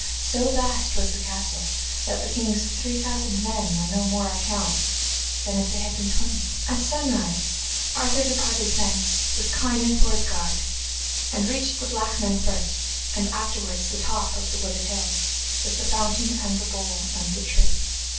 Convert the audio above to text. So vast was the castle that the king's three thousand men were of no more account than if they had been twenty. At sunrise Arthur departed thence, with Kynon for his guide, and reached the black man first, and afterwards the top of the wooded hill, with the fountain and the bowl and the tree.